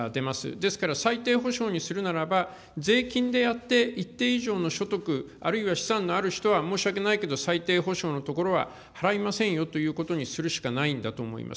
ですから、最低保障にするならば、税金でやって、一定以上の所得、あるいは資産のある人は申し訳ないけど、最低保障のところは払いませんよということにするしかないんだと思います。